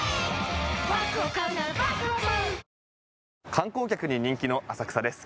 観光客に人気の浅草です。